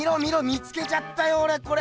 見つけちゃったよおれこれ！